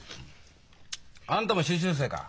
あんたも修習生か？